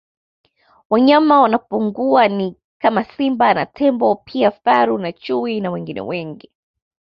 Wanyama wanaopungua ni kama Simba na Tembo pia Faru na Chui na wengine wengi